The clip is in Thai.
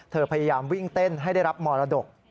พยายามวิ่งเต้นให้ได้รับมรดก